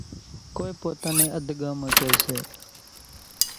ڪونئين پوتا نين اڌڳاما ڪيَ سي۔